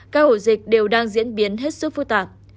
các ổ dịch đều đang diễn biến hết sức phức tạp